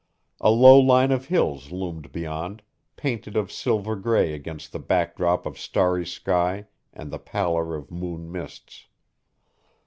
A low line of hills loomed beyond, painted of silver gray against the backdrop of starry sky and the pallor of moon mists.